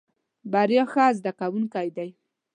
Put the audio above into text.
بريا ښه زده کوونکی دی.